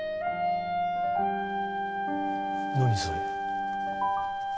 何それ？